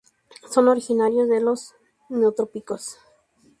Son originarios de los Neotrópicos.